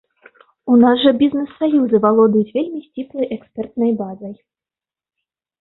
У нас жа бізнес-саюзы валодаюць вельмі сціплай экспертнай базай.